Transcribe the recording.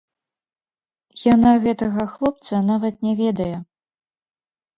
Яна гэтага хлопца нават не ведае.